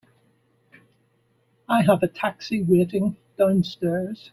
I have a taxi waiting downstairs.